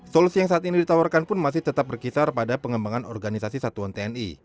solusi yang saat ini ditawarkan pun masih tetap berkisar pada pengembangan organisasi satuan tni